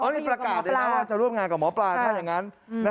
นี่ประกาศเลยนะว่าจะร่วมงานกับหมอปลาถ้าอย่างนั้น